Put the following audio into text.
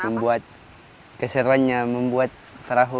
membuat keseruannya membuat terahu